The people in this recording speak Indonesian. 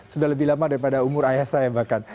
sudah lebih lama daripada umur ayah saya bahkan